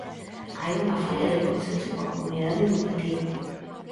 Hai unha falla de consenso coa comunidade educativa.